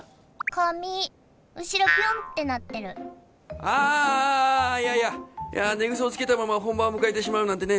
髪後ろピョンってなってるあいやいや寝癖をつけたまま本番を迎えてしまうなんてね